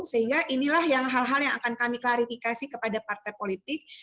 sehingga inilah yang hal hal yang akan kami klarifikasi kepada partai politik